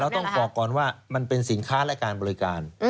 ต้องบอกก่อนว่ามันเป็นสินค้าและการบริการ